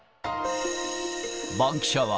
バンキシャ！は、